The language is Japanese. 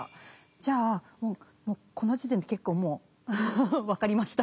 じゃあもうもうこの時点で結構もう分かりました。